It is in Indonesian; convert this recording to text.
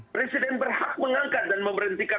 presiden berhak mengangkat dan memberhentikan